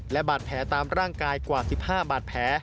และบาดแผลตามร่างกายกว่า๑๕บาดแผล